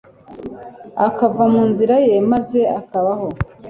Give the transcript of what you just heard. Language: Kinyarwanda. akava mu nzira ye maze akabaho